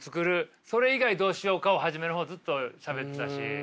「それ以外どうしようか？」を始めの方ずっとしゃべってたし。